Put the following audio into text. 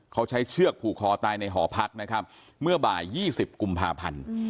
เขาใช้เชือกผูกคอตายในหอพักนะครับเมื่อบ่าย๒๐กุมภาพันธ์